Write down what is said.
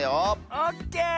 オッケー！